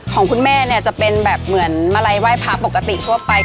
ของคุณแม่เนี่ยจะเป็นแบบเหมือนมาลัยไหว้พระปกติทั่วไป